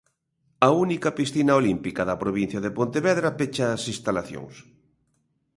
A única piscina olímpica da provincia de Pontevedra pecha as instalacións.